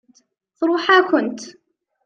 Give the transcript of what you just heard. Tṛuḥ-akent.